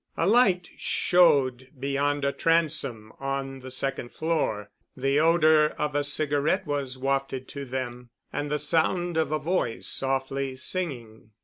A light showed beyond a transom on the second floor, the odor of a cigarette was wafted to them, and the sound of a voice softly singing.